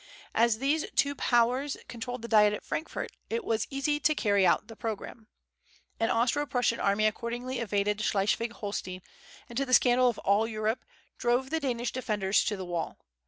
As these two Powers controlled the Diet at Frankfort, it was easy to carry out the programme. An Austro Prussian army accordingly invaded Schleswig Holstein, and to the scandal of all Europe drove the Danish defenders to the wall.